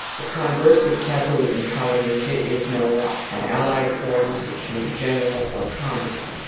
The converse of taboo in Poly nesia is ' noa ' and allied forms which mean 'general' or 'common'